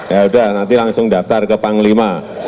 ya udah nanti langsung daftar ke panglima